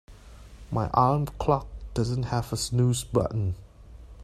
My alarm clock doesn't have a snooze button.